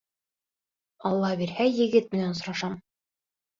Алла бирһә, егет менән осрашам.